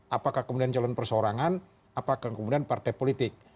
apakah kemudian calon persorangan apakah kemudian partai politik